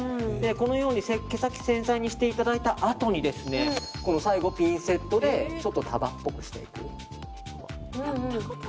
このように毛先を繊細にしていただいたあとに最後、ピンセットでちょっと束っぽくしていく。